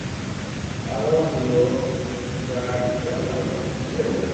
আরোহীও গাড়ি ঘোড়ার করুনার উপর উড়ে চলতে থাকে।